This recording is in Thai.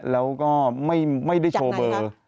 แล้วก็ไม่ได้โชว์เบอร์